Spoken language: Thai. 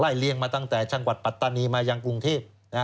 เลี้ยมาตั้งแต่จังหวัดปัตตานีมายังกรุงเทพ